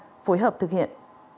và phối hợp thực hiện